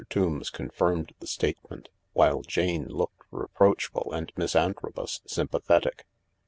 Tombs confirmed the state ment, while Jane looked reproachful and Miss Antrobus sympathetic.